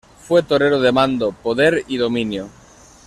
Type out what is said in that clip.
Fue torero de mando, poder y dominio.